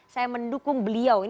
saya mendukung beliau